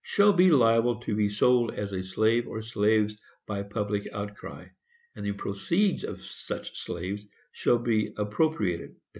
shall be liable to be sold as a slave or slaves by public outcry; and the proceeds of such slaves shall be appropriated, &c.